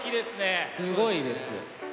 すごいです。